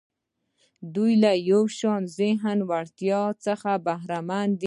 دوی له یو شان ذهني وړتیا څخه برخمن دي.